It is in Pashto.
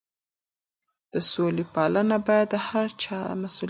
د سولې پالنه باید د هر چا مسؤلیت وي.